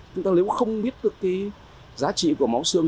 chúng ta nếu không biết được cái giá trị của máu xương